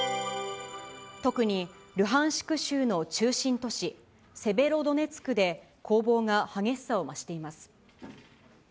特にルハンシク州の中心都市セベロドネツクで、攻防が激しさを増しています。